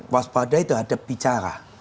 waaspadai terhadap bicara